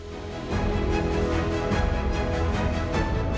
ส่วนประกอบทรีย์ล้อนหรือฉลาด